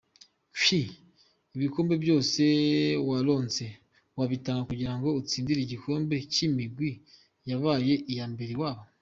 Q: Ibikombe vyose waronse wobitanga kugira utsindire igikombe c'imigwi yabaye iya mbere iwabo?.